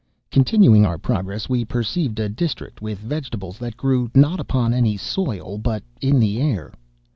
"'Continuing our progress, we perceived a district with vegetables that grew not upon any soil but in the air.